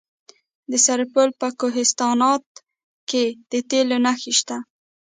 د سرپل په کوهستانات کې د تیلو نښې شته.